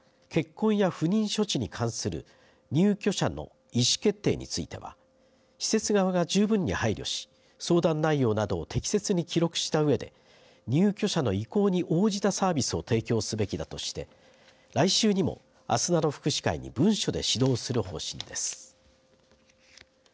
こうしたことを踏まえ、道は結婚や不妊処置に関する入居者の意思決定については施設側が十分に配慮し相談内容などを適切に記録したうえで入居者の意向に応じたサービスを提供すべきだとして来週にも、あすなろ福祉会に文書で指導する方針です。